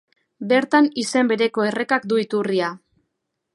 Bertan izen bereko errekak du iturria.